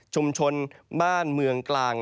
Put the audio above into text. ชุมชนบ้านเมืองกลาง